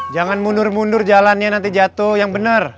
jangan mundur mundur jalannya nanti jatuh yang benar